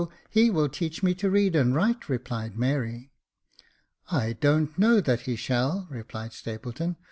he will teach me to read and write," replied Mary. " I don't know that he shall," replied Stapleton.